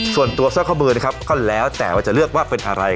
สร้อยข้อมือนะครับก็แล้วแต่ว่าจะเลือกว่าเป็นอะไร